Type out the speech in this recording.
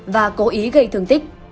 và cố ý gây thương tích